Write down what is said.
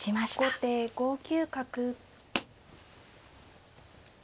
後手５九角。